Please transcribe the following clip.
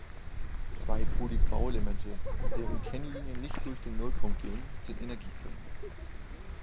Zweipolige Bauelemente, deren Kennlinien nicht durch den Nullpunkt gehen, sind Energiequellen.